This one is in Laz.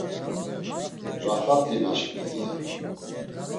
Raxat̆i naşkvi iya!